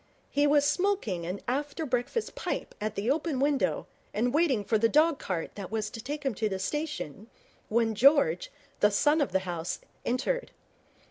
He was smoking an after breakfast pipe at the open window and waiting for the dog cart that was to take him to the station, when George, the son of the house, entered.